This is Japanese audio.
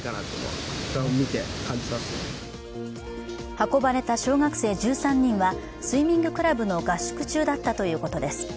運ばれた小学生１３人はスイミングクラブの合宿中だったということです